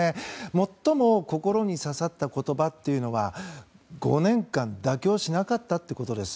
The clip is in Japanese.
最も心に刺さった言葉というのは５年間妥協しなかったってことです。